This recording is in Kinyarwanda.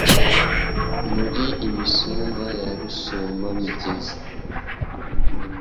Muri Imisumba ya Rusuma-migezi,